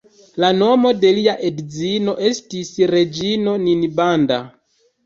La nomo de lia edzino estis reĝino Ninbanda.